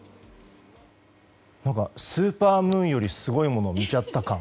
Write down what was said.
何かスーパームーンよりすごいものを見ちゃった感。